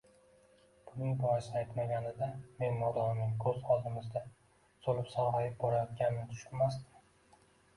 Buning boisini aytmaganida men nodon uning koʻz oldimizda soʻlib-sargʻayib borayotganini tushunmasdim.